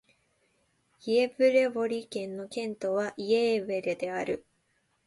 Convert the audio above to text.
イェヴレボリ県の県都はイェーヴレである